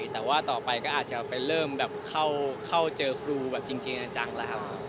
แต่ว่าต่อไปก็อาจจะไปเริ่มแบบเข้าเจอครูแบบจริงจังแล้วครับ